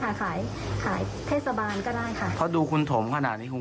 ไม่มีสิทธิ์ที่เกี่ยวข้องใดทั้งสิ้น